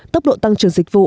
tốc độ tăng trưởng dịch vụ